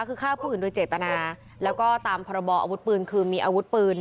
คือฆ่าผู้อื่นโดยเจตนาแล้วก็ตามพรบออาวุธปืนคือมีอาวุธปืน